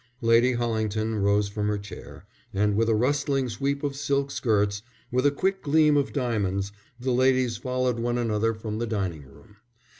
Lady Hollington rose from her chair, and with a rustling sweep of silk skirts, with a quick gleam of diamonds, the ladies followed one another from the dining room.